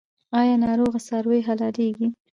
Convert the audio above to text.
آیا ناروغه څاروي حلاليږي؟